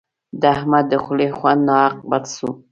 د احمد د خولې خوند ناحق بد سو.